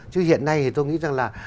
chứ hiện nay thì tôi nghĩ rằng là